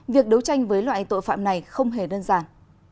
việc đấu tranh với loại tội phạm này không hề đơn giản